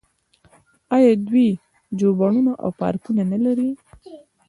آیا دوی ژوبڼونه او پارکونه نلري؟